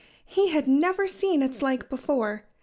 He had never seen its like before.